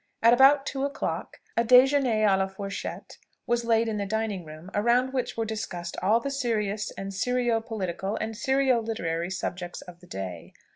At about two o'clock a déjeûner à la fourchette was laid in the dining room, around which were discussed all the serious, and serio political, and serio literary subjects of the day.